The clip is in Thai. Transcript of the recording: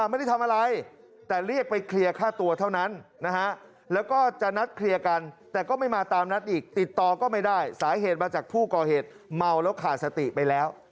มัวแล้วขาดสติไปแล้ว